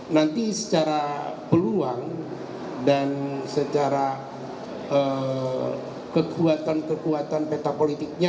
nanti secara peluang dan secara kekuatan kekuatan peta politiknya